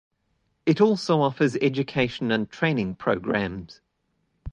It also offers education and training programs.